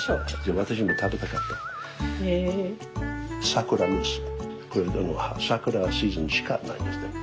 桜ムース桜のシーズンしかないですね。